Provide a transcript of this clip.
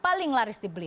paling laris dibeli